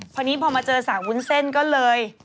พอนี้พอมาเจอสาววุ้นเส้นก็เลย